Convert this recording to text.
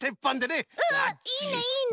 うんうんいいねいいね！